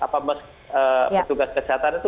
petugas kesehatan itu